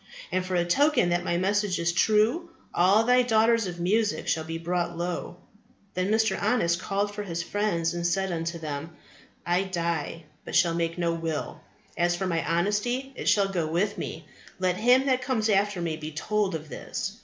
And for a token that my message is true, all thy daughters of music shall be brought low. Then Mr. Honest called for his friends and said unto them, I die, but shall make no will. As for my honesty, it shall go with me: let him that comes after me be told of this.